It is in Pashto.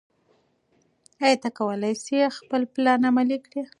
ایا ته کولی شې خپل پلان عملي کړې؟